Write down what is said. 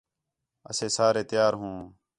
اسے سارے تیار ہوں